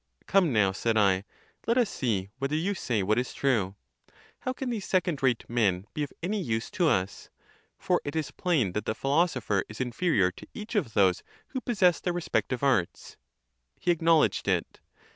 42— Come now, (said I,) let us see whether you say what is true. How can these second rate men be of any use to us? For it is plain that the philosopher is inferior to each of those who possess their respective arts.—He acknowledged it.